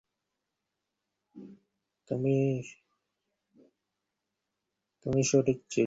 দাদা, শচীশ তোমার ছেলের মতো–তার সঙ্গে ঐ পতিতা মেয়ের তুমি বিবাহ দিবে?